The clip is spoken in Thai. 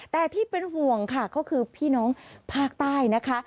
แต่ที่เป็นห่วงค่ะก็คือพี่น้องภาคใต้นะคะ